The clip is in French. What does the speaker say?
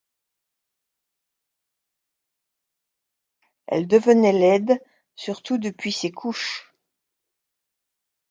elle devenait laide, surtout depuis ses couches.